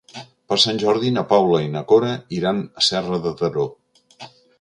Per Sant Jordi na Paula i na Cora iran a Serra de Daró.